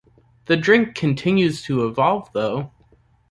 The drink continues to evolve, though.